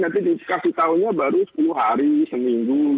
nanti dikasih tahunya baru sepuluh hari seminggu